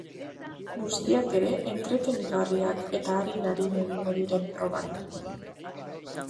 Guztiak ere entretenigarriak eta arin-arin egingo diren probak.